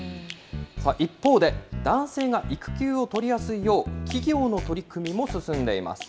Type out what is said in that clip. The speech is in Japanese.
一方で、男性が育休を取りやすいよう、企業の取り組みも進んでいます。